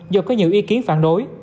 do có nhiều ý kiến phản đối